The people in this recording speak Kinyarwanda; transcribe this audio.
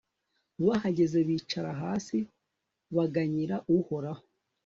bahageze bicara hasi baganyira uhoraho